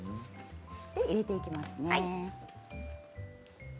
入れていきますね。